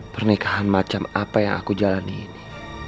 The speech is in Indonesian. pernikahan macam apa yang aku jalani ini